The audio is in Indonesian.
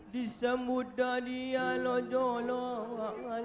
disambut tadi alojoloh